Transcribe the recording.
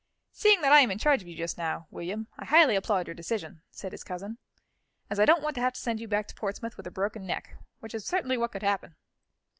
"Seeing that I am in charge of you just now, William, I highly applaud your decision," said his cousin, "as I don't want to have to send you back to Portsmouth with a broken neck, which is certainly what could happen."